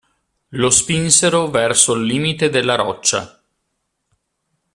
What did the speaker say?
Lo spinsero verso il limite della roccia.